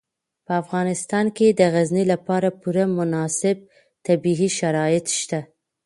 په افغانستان کې د غزني لپاره پوره مناسب طبیعي شرایط شته.